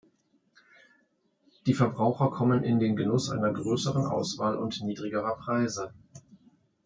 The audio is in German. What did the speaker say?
Die Verbraucher kommen in den Genuss einer größeren Auswahl und niedrigerer Preise.